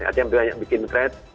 ada yang bikin kreatif